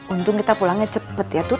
untung kita pulangnya cepet ya tut